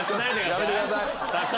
やめてください。